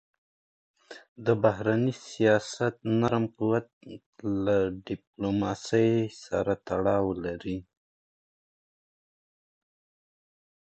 د بهرني سیاست نرم قوت له ډیپلوماسی سره تړاو لري.